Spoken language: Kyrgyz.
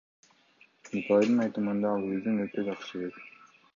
Николайдын айтымында, ал өзүн өтө жакшы сезет.